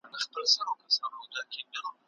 که انا پر ماشوم غږ نه وای کړی، هغه به نه وای ژړلي.